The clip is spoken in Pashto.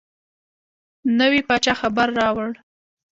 نوي پاچا خبر راووړ.